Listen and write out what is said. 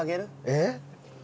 えっ？